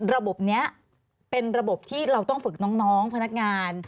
ระบบนี้เป็นระบบที่เราต้องฝึกน้องพนักงาน